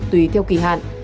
tùy theo kỳ hạn